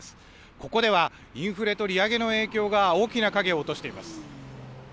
ここではインフレと利上げの影響が大きな影を落としています。